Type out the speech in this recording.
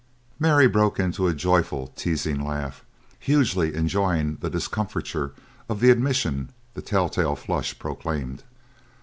Mary broke into a joyful, teasing laugh; hugely enjoying the discomfiture of the admission the tell tale flush proclaimed.